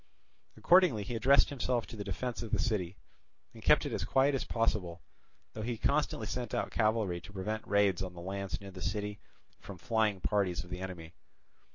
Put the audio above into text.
Accordingly he addressed himself to the defence of the city, and kept it as quiet as possible, though he constantly sent out cavalry to prevent raids on the lands near the city from flying parties of the enemy.